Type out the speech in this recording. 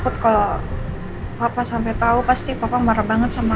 pasti papa marah banget sama aku